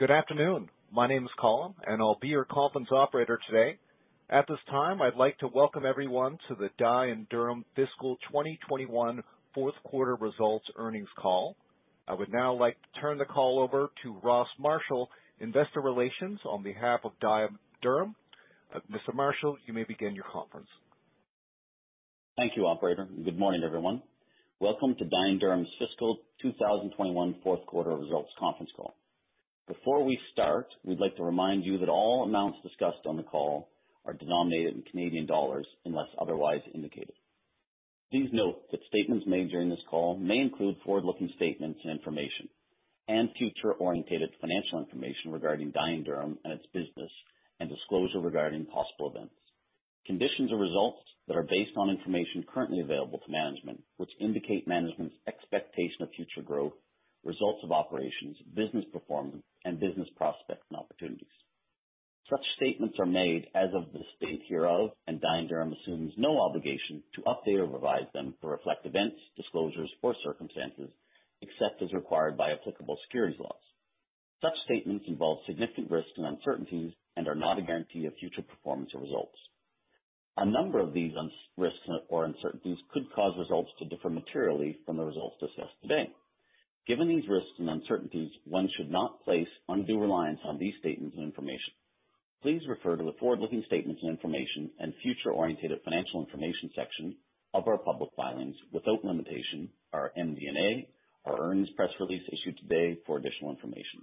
Good afternoon. My name is Colin, and I'll be your conference operator today. At this time, I'd like to welcome everyone to the Dye & Durham Fiscal 2021 Fourth Quarter Results earnings call. I would now like to turn the call over to Ross Marshall, investor relations on behalf of Dye & Durham. Mr. Marshall, you may begin your conference. Thank you, operator. Good morning, everyone. Welcome to Dye & Durham's Fiscal 2021 Fourth Quarter Results conference call. Before we start, we'd like to remind you that all amounts discussed on the call are denominated in Canadian dollars unless otherwise indicated. Please note that statements made during this call may include forward-looking statements and information and future-orientated financial information regarding Dye & Durham and its business and disclosure regarding possible events. Conditions or results that are based on information currently available to management, which indicate management's expectation of future growth, results of operations, business performance, and business prospects and opportunities. Such statements are made as of this date hereof, and Dye & Durham assumes no obligation to update or revise them to reflect events, disclosures, or circumstances except as required by applicable securities laws. Such statements involve significant risks and uncertainties and are not a guarantee of future performance or results. A number of these risks or uncertainties could cause results to differ materially from the results discussed today. Given these risks and uncertainties, one should not place undue reliance on these statements and information. Please refer to the forward-looking statements and information and future orientated financial information section of our public filings without limitation, our MD&A, our earnings press release issued today for additional information.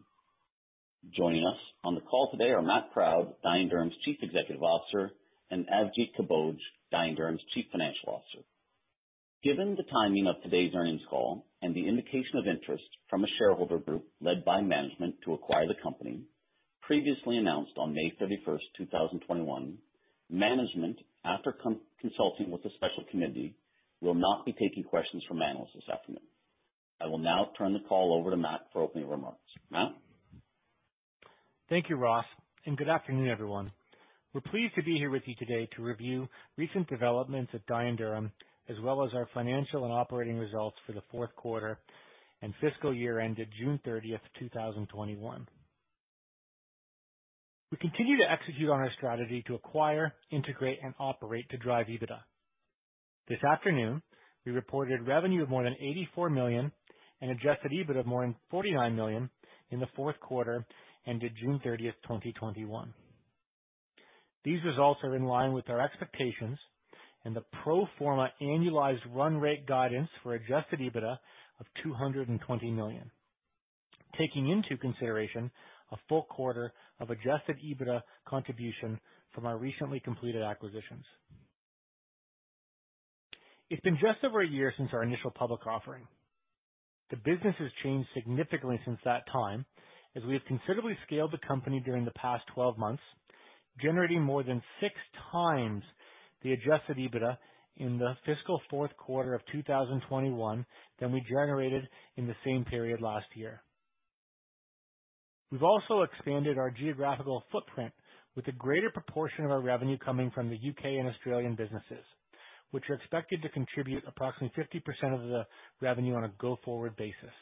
Joining us on the call today are Matthew Proud, Dye & Durham's Chief Executive Officer, and Avjit Kamboj, Dye & Durham's Chief Financial Officer. Given the timing of today's earnings call and the indication of interest from a shareholder group led by management to acquire the company previously announced on May 31st, 2021, management, after consulting with a special committee, will not be taking questions from analysts this afternoon. I will now turn the call over to Matt for opening remarks. Matt? Thank you, Ross, and good afternoon, everyone. We're pleased to be here with you today to review recent developments at Dye & Durham, as well as our financial and operating results for the fourth quarter and fiscal year ended June 30th, 2021. We continue to execute on our strategy to acquire, integrate, and operate to drive EBITDA. This afternoon, we reported revenue of more than 84 million and adjusted EBITDA of more than 49 million in the fourth quarter ended June 30th, 2021. These results are in line with our expectations and the pro forma annualized run rate guidance for adjusted EBITDA of 220 million, taking into consideration a full quarter of adjusted EBITDA contribution from our recently completed acquisitions. It's been just over a year since our initial public offering. The business has changed significantly since that time as we have considerably scaled the company during the past 12 months, generating more than 6x the adjusted EBITDA in the fiscal fourth quarter of 2021 than we generated in the same period last year. We've also expanded our geographical footprint with a greater proportion of our revenue coming from the U.K. and Australian businesses, which are expected to contribute approximately 50% of the revenue on a go-forward basis.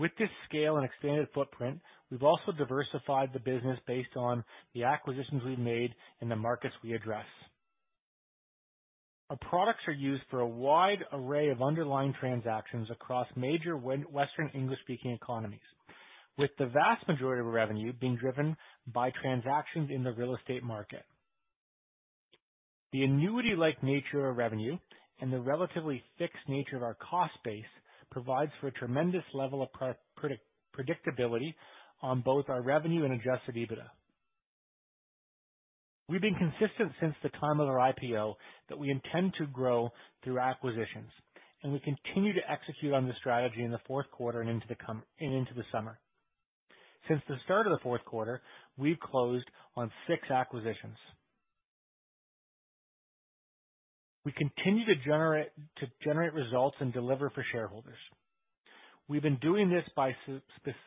With this scale and expanded footprint, we've also diversified the business based on the acquisitions we've made and the markets we address. Our products are used for a wide array of underlying transactions across major Western English-speaking economies, with the vast majority of revenue being driven by transactions in the real estate market. The annuity-like nature of revenue and the relatively fixed nature of our cost base provides for a tremendous level of predictability on both our revenue and adjusted EBITDA. We've been consistent since the time of our IPO that we intend to grow through acquisitions, and we continue to execute on this strategy in the fourth quarter and into the summer. Since the start of the fourth quarter, we've closed on six acquisitions. We continue to generate results and deliver for shareholders. We've been doing this by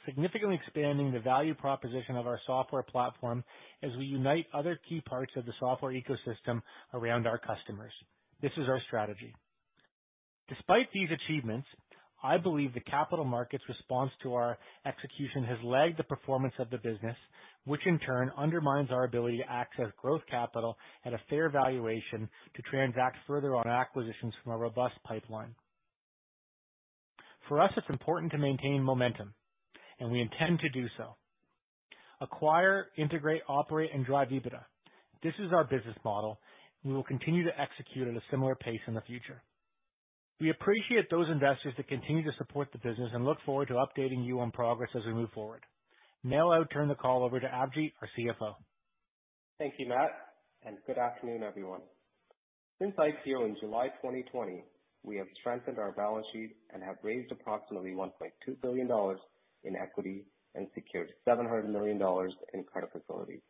significantly expanding the value proposition of our software platform as we unite other key parts of the software ecosystem around our customers. This is our strategy. Despite these achievements, I believe the capital market's response to our execution has lagged the performance of the business, which in turn undermines our ability to access growth capital at a fair valuation to transact further on acquisitions from a robust pipeline. For us, it's important to maintain momentum, and we intend to do so. Acquire, integrate, operate, and drive EBITDA. This is our business model. We will continue to execute at a similar pace in the future. We appreciate those investors that continue to support the business and look forward to updating you on progress as we move forward. Now I'll turn the call over to Avjit, our CFO. Thank you, Matt, and good afternoon, everyone. Since IPO in July 2020, we have strengthened our balance sheet and have raised approximately 1.2 billion dollars in equity and secured 700 million dollars in credit facilities.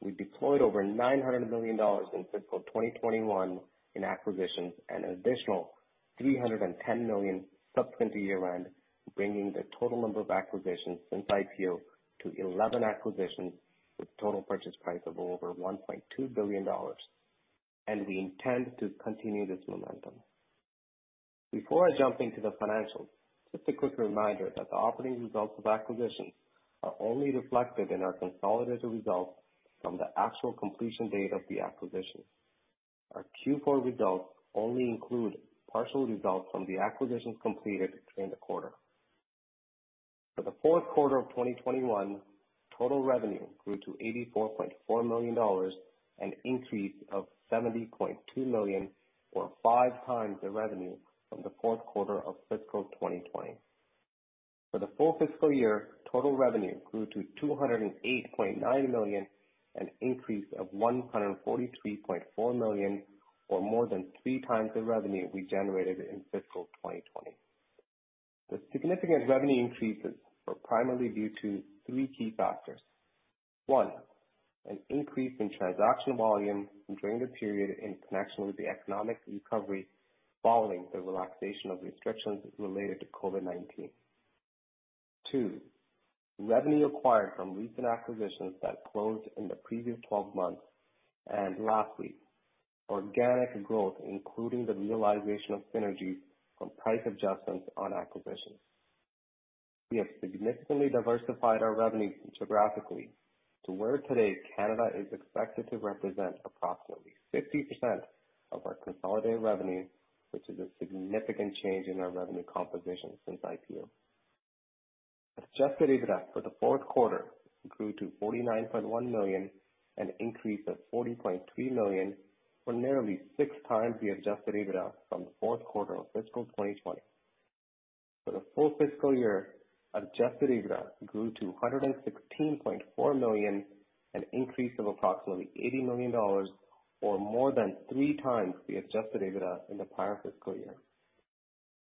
We deployed over 900 million dollars in fiscal 2021 in acquisitions and an additional 310 million subsequent to year-end, bringing the total number of acquisitions since IPO to 11 acquisitions with total purchase price of over 1.2 billion dollars. We intend to continue this momentum. Before I jump into the financials, just a quick reminder that the operating results of acquisitions are only reflected in our consolidated results from the actual completion date of the acquisition. Our Q4 results only include partial results from the acquisitions completed during the quarter. For the fourth quarter of 2021, total revenue grew to 84.4 million dollars, an increase of 70.2 million, or five times the revenue from the fourth quarter of fiscal 2020. For the full fiscal year, total revenue grew to 208.9 million, an increase of 143.4 million, or more than three times the revenue we generated in fiscal 2020. The significant revenue increases were primarily due to three key factors. One, an increase in transaction volume during the period in connection with the economic recovery following the relaxation of restrictions related to COVID-19. Two, revenue acquired from recent acquisitions that closed in the previous 12 months. Lastly, organic growth, including the realization of synergies from price adjustments on acquisitions. We have significantly diversified our revenue geographically to where today Canada is expected to represent approximately 50% of our consolidated revenue, which is a significant change in our revenue composition since IPO. Adjusted EBITDA for the fourth quarter grew to 49.1 million, an increase of 40.3 million, or nearly 6x the adjusted EBITDA from the fourth quarter of fiscal 2020. For the full fiscal year, adjusted EBITDA grew to 116.4 million, an increase of approximately 80 million dollars, or more than 3x the adjusted EBITDA in the prior fiscal year.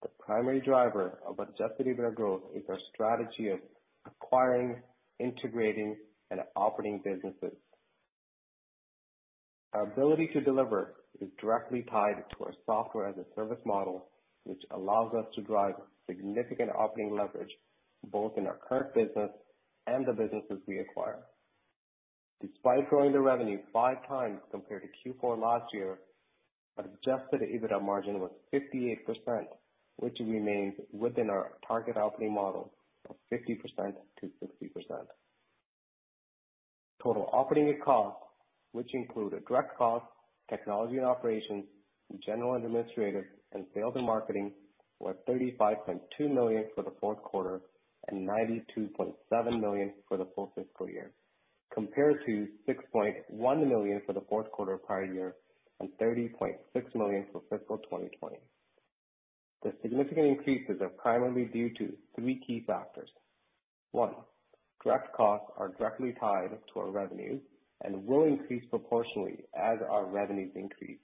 The primary driver of adjusted EBITDA growth is our strategy of acquiring, integrating, and operating businesses. Our ability to deliver is directly tied to our software-as-a-service model, which allows us to drive significant operating leverage both in our current business and the businesses we acquire. Despite growing the revenue 5x compared to Q4 last year, adjusted EBITDA margin was 58%, which remains within our target operating model of 50%-60%. Total operating costs, which include direct costs, technology and operations, and general administrative and sales and marketing, were 35.2 million for the fourth quarter and 92.7 million for the full fiscal year, compared to 6.1 million for the fourth quarter prior year and 30.6 million for fiscal 2020. The significant increases are primarily due to three key factors. One, direct costs are directly tied to our revenue and will increase proportionally as our revenues increase.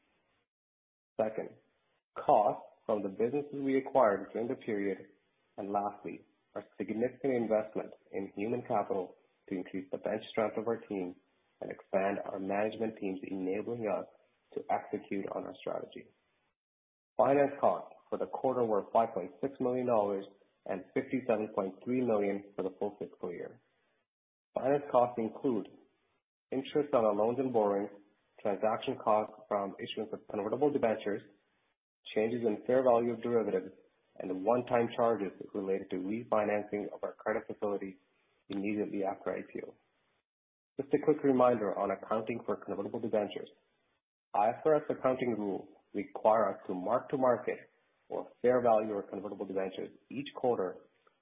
Second, costs from the businesses we acquired during the period. Lastly, our significant investment in human capital to increase the bench strength of our team and expand our management teams, enabling us to execute on our strategy. Finance costs for the quarter were 5.6 million dollars and 57.3 million for the full fiscal year. Finance costs include interest on our loans and borrowings, transaction costs from issuance of convertible debentures, changes in fair value of derivatives, and one-time charges related to refinancing of our credit facility immediately after IPO. Just a quick reminder on accounting for convertible debentures. IFRS accounting rules require us to mark to market or fair value our convertible debentures each quarter,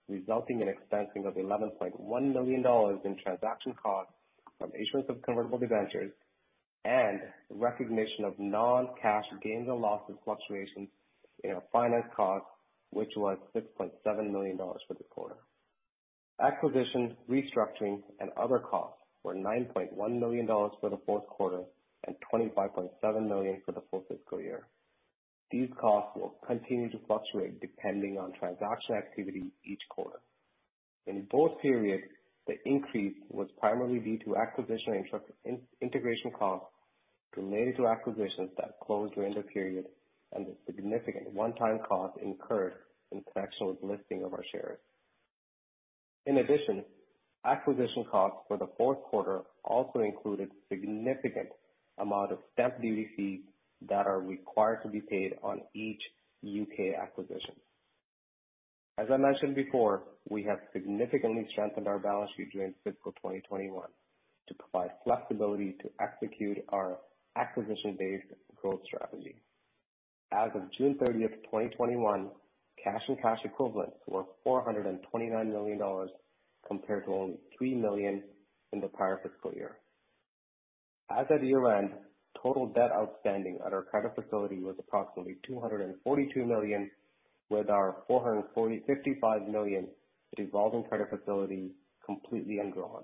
resulting in expensing of 11.1 million dollars in transaction costs from issuance of convertible debentures and recognition of non-cash gains or losses fluctuations in our finance cost, which was 6.7 million dollars for the quarter. Acquisition, restructuring, and other costs were 9.1 million dollars for the fourth quarter and 25.7 million for the full fiscal year. These costs will continue to fluctuate depending on transaction activity each quarter. In both periods, the increase was primarily due to acquisition integration costs related to acquisitions that closed during the period and the significant one-time costs incurred in connection with listing of our shares. In addition, acquisition costs for the fourth quarter also included significant amount of stamp duty fees that are required to be paid on each U.K. acquisition. As I mentioned before, we have significantly strengthened our balance sheet during fiscal 2021 to provide flexibility to execute our acquisition-based growth strategy. As of June 30th, 2021, cash and cash equivalents were 429 million dollars, compared to only 3 million in the prior fiscal year. As of year-end, total debt outstanding at our credit facility was approximately 242 million, with our 455 million revolving credit facility completely undrawn.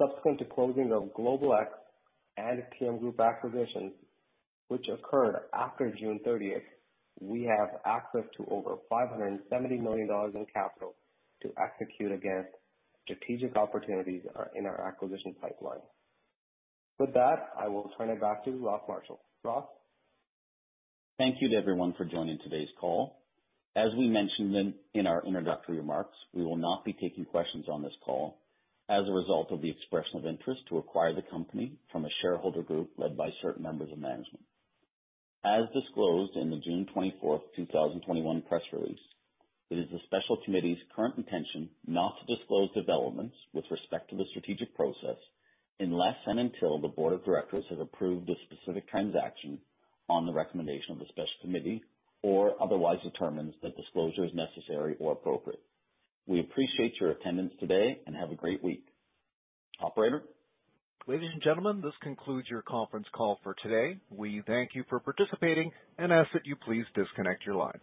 Subsequent to closing of GlobalX and TM Group acquisitions, which occurred after June 30, we have access to over 570 million dollars in capital to execute against strategic opportunities in our acquisition pipeline. With that, I will turn it back to Ross Marshall. Ross? Thank you to everyone for joining today's call. As we mentioned in our introductory remarks, we will not be taking questions on this call as a result of the expression of interest to acquire the company from a shareholder group led by certain members of management. As disclosed in the June 24th, 2021, press release, it is the special committee's current intention not to disclose developments with respect to the strategic process unless and until the board of directors has approved a specific transaction on the recommendation of the special committee or otherwise determines that disclosure is necessary or appropriate. We appreciate your attendance today and have a great week. Operator? Ladies and gentlemen, this concludes your conference call for today. We thank you for participating and ask that you please disconnect your lines.